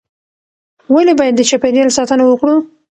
ولې باید د چاپیریال ساتنه وکړو؟